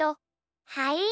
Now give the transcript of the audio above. はい！